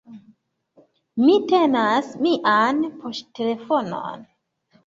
Mi tenas mian poŝtelefonon.